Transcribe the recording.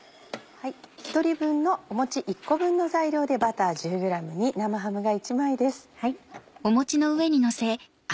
１人分のもち１個分の材料でバター１０ｇに生ハムが１枚です。